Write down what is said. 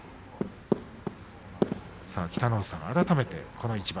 北の富士さん、改めてこの一番。